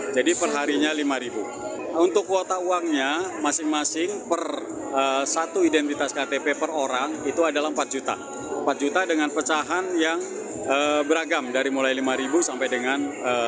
empat juta dengan pecahan yang beragam dari mulai lima sampai dengan satu